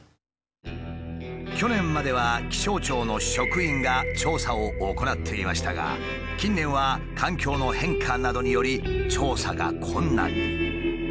去年までは気象庁の職員が調査を行っていましたが近年は環境の変化などにより調査が困難に。